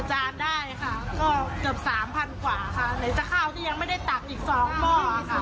เหนื่อยจะเข้าที่ยังไม่ได้ตักอีก๒หม้อค่ะ